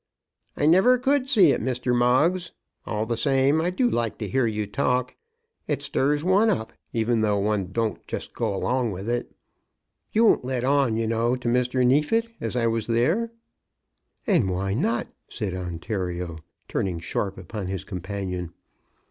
"I never could see it, Mr. Moggs. All the same I do like to hear you talk. It stirs one up, even though one don't just go along with it. You won't let on, you know, to Mr. Neefit as I was there." "And why not?" said Ontario, turning sharp upon his companion.